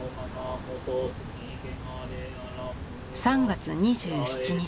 ３月２７日。